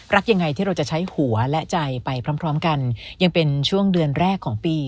ยังไงที่เราจะใช้หัวและใจไปพร้อมพร้อมกันยังเป็นช่วงเดือนแรกของปี